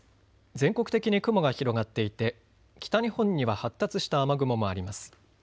全国的に雲が広がっていて北日本には発達した雨雲もあります。